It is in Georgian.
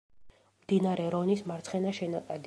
მდინარე რონის მარცხენა შენაკადი.